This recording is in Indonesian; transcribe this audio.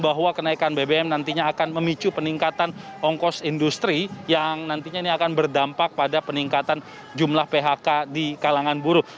bahwa kenaikan bbm nantinya akan memicu peningkatan ongkos industri yang nantinya ini akan berdampak pada peningkatan jumlah phk di kalangan buruh